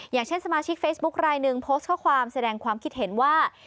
อย่างเช่นสมาชิกเฟซบุ๊คลายหนึ่งโพสต์ข้อความแสดงความคิดเห็นว่า